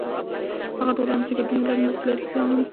هغه ټولنه چې ګډون ولري، مسؤلیت پکې عام وي.